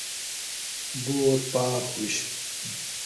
بور پاۤخ ہوش